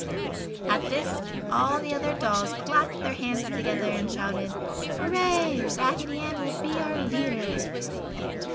At this all the other dolls clapped their hands together and shouted, "Hurrah! Raggedy Ann will be our leader."